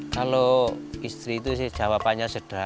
kalau istri itu sih jawabannya sederhana